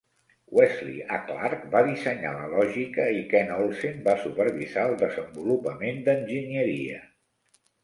Wesley A. Clark va dissenyar la lògica i Ken Olsen va supervisar el desenvolupament d'enginyeria.